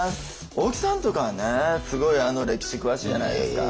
大木さんとかはねすごい歴史詳しいじゃないですか。